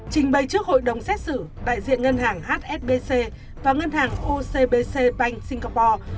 trình bày trước hội đồng xét xử đại diện ngân hàng hsbc và ngân hàng ocbc panh singapore